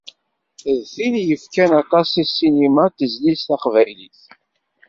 D tin i yefkan aṭas i ssinima d tezlit taqbaylit.